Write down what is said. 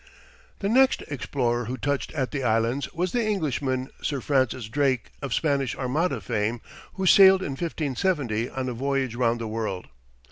The next explorer who touched at the Islands was the Englishman, Sir Francis Drake, of Spanish Armada fame, who sailed in 1570 on a voyage round the world.